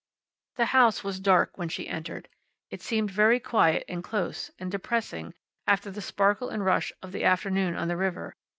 The house was dark when she entered. It seemed very quiet, and close, and depressing after the sparkle and rush of the afternoon on the river.